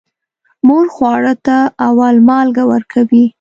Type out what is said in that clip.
مور خواره ته اول مالګه ورکوي.